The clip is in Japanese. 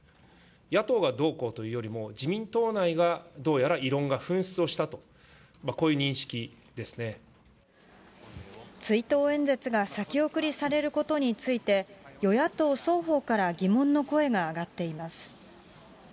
野党がどうこうというよりも、自民党内がどうやら異論が噴出をしたと、追悼演説が先送りされることについて、与野党双方から疑問の声が上がっています。